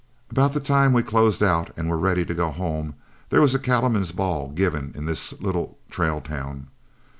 About the time we closed out and were again ready to go home, there was a cattleman's ball given in this little trail town.